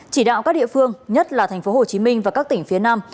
chỉ đạo các địa phương nhất là thành phố hồ chí minh và các tỉnh phía nam